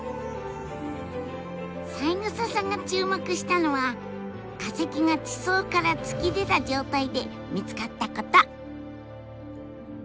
三枝さんが注目したのは化石が地層から突き出た状態で見つかったこと！